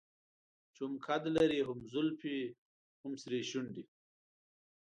چې هم قد لري هم زلفې هم سرې شونډې.